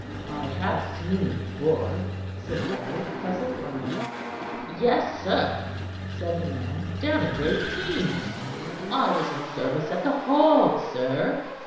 "I have seen you before," said the other, puzzled for a moment. "Yes, sir," said the man, "down at Great Keynes; I was in service at the Hall, sir."